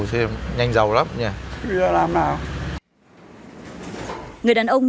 kho nhưng mà kho gì đấy chứ